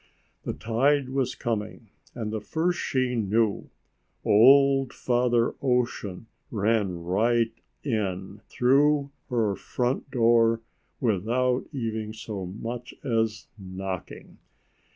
The tide was coming, and the first she knew, old Father Ocean ran right in through her front door without even so much as knocking!